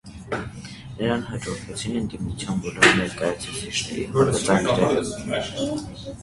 Նրան հաջորդեցին ընդդիմության բոլոր ներկայացուցիչների հալածանքները։